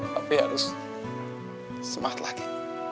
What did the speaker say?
papi harus semangat lagi